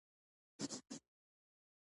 ایا ستاسو مالداري ډیره شوې نه ده؟